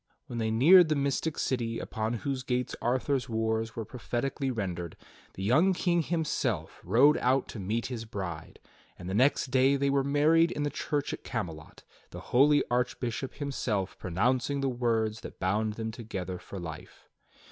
When they neared the mystic city upon whose gates Arthur's wars were prophetically rendered, the young King himself rode out to meet his bride; and the next day they were married in the church at Camelot, the holy Archbishop himself pronouncing the words that bound them together for life.